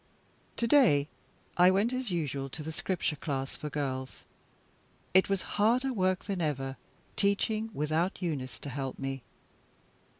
To day I went as usual to the Scripture class for girls. It was harder work than ever, teaching without Eunice to help me.